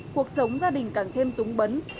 cuộc sống gia đình càng thêm túng bấn